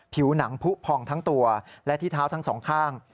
ผิวหนังผู้พองทั้งตัวและที่เท้าทั้งสองข้าง